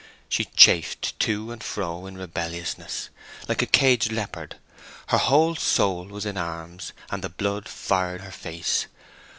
She chafed to and fro in rebelliousness, like a caged leopard; her whole soul was in arms, and the blood fired her face.